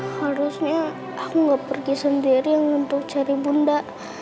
harusnya aku nggak pergi sendiri untuk cari bunda